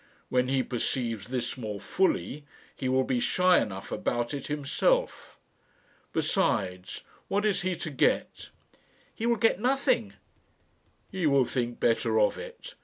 When he perceives this more fully he will be shy enough about it himself. Besides, what is he to get?" "He will get nothing." "He will think better of it.